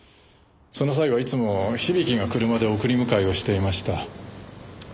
その際はいつも響が車で送り迎えをしていました。